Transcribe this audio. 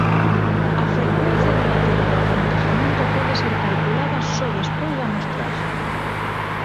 A frecuencia relativa do acontecemento pode ser calculada só despois da mostraxe.